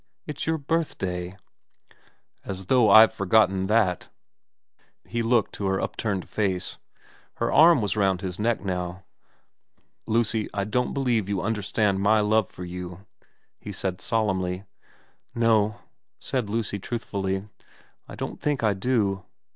It's your birthday '' As though I've forgotten that.' He looked at her upturned face ; her arm was round his neck now. ' Lucy, I don't believe you understand my love for you,' he said solemnly. ' No,' said Lucy truthfully, ' I don't think I do.'